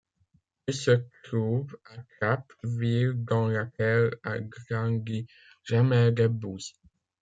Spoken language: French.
Il se trouve à Trappes, ville dans laquelle a grandi Jamel Debbouze.